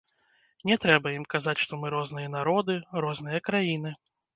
Не трэба ім казаць, што мы розныя народы, розныя краіны.